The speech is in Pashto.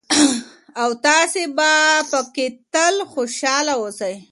او تاسې به پکې تل خوشحاله اوسئ.